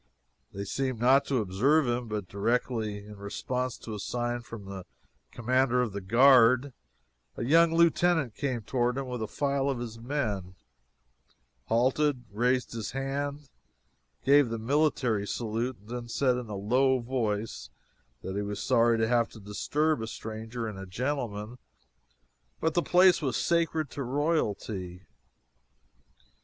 They seemed not to observe him, but directly, in response to a sign from the commander of the guard, a young lieutenant came toward him with a file of his men following, halted, raised his hand, and gave the military salute, and then said in a low voice that he was sorry to have to disturb a stranger and a gentleman, but the place was sacred to royalty.